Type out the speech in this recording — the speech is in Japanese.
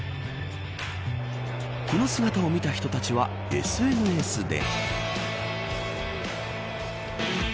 この姿を見た人たちはＳＮＳで。